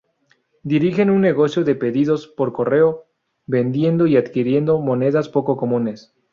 Dirigen un negocio de pedidos por correo, vendiendo y adquiriendo monedas poco comunes.